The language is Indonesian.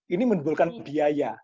ini menimbulkan biaya